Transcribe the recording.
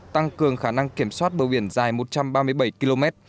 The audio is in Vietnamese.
tăng cường khả năng kiểm soát bờ biển dài một trăm ba mươi bảy km